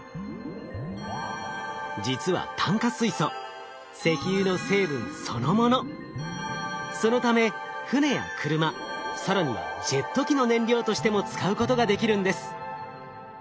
実は炭化水素そのため船や車更にはジェット機の燃料としても使うことができるんです。